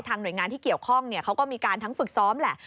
หน่วยงานที่เกี่ยวข้องเขาก็มีการทั้งฝึกซ้อมแหละ